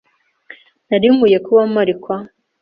Nari nkwiye kuba mpari kwa .